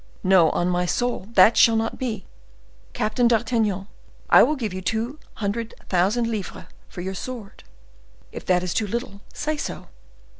No, on my soul! that shall not be! Captain d'Artagnan, I will give you two hundred thousand livres for your sword! If that is too little, say so."